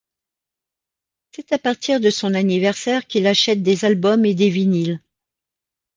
C'est à partir de son anniversaire qu’il achète des albums et des vinyles.